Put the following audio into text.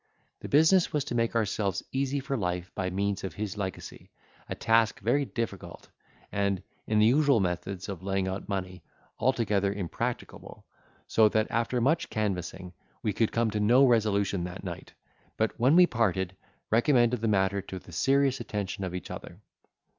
The business was to make ourselves easy for life by means of his legacy, a task very difficult, and, in the usual methods of laying out money, altogether impracticable, so that, after much canvassing, we could come to no resolution that night, but when we parted, recommended the matter to the serious attention of each other.